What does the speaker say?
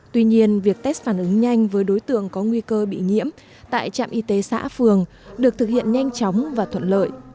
tuy nhiên việc test phản ứng nhanh với đối tượng có nguy cơ bị nhiễm tại trạm y tế xã phường được thực hiện nhanh chóng và thuận lợi